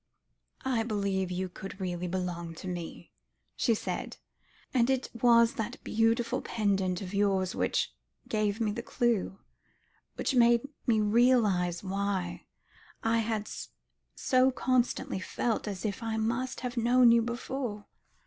"I believe you could really belong to me," she said, "and it was that beautiful pendant of yours which gave me the clue, which made me realise why I had so constantly felt as if I must have known you before.